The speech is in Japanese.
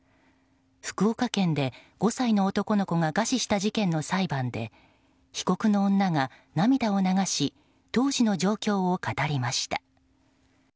福岡県で５歳の男の子が餓死した事件の裁判で被告の女が涙を流し当時の状況を語りました。